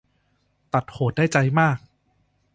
ตัดโหดได้ใจมาก